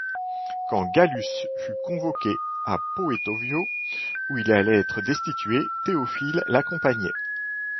Quand Gallus fut convoqué à Poetovio où il allait être destitué, Théophile l'accompagnait.